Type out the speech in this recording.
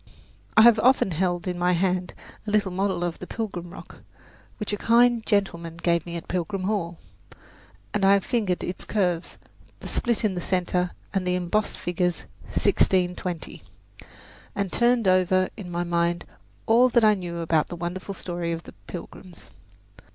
I have often held in my hand a little model of the Plymouth Rock which a kind gentleman gave me at Pilgrim Hall, and I have fingered its curves, the split in the centre and the embossed figures "1620," and turned over in my mind all that I knew about the wonderful story of the Pilgrims.